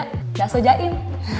nggak so jain